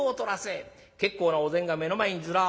結構なお膳が目の前にずらっ。